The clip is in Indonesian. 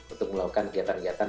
untuk melakukan kegiatan kegiatan